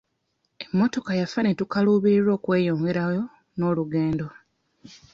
Emmotoka yafa ne tukaluubirirwa okweyongerayo n'olugendo.